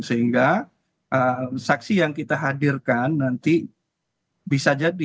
sehingga saksi yang kita hadirkan nanti bisa jadi